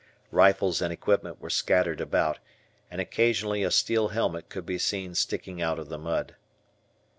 Rifles and equipment were scattered about, and occasionally a steel helmet could be seen sticking out of the mud.